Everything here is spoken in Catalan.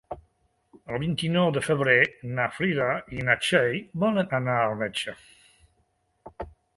El vint-i-nou de febrer na Frida i na Txell volen anar al metge.